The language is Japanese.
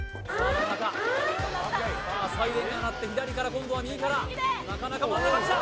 真ん中さあサイレンが鳴って左から今度は右からなかなか真ん中きた！